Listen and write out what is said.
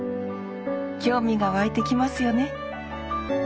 興味が湧いてきますよね。